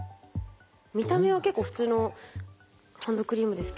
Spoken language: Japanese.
見た目は結構普通のハンドクリームですけど。